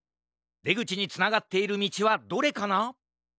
でぐちにつながっているみちはどれかな？